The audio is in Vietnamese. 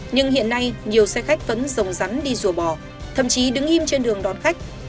nhưng hiện nay nhiều xe khách vẫn rồng rắn đi rùa bò thậm chí đứng im trên đường đón khách